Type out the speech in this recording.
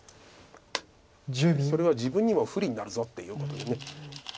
「それは自分にも不利になるぞ」っていうことで。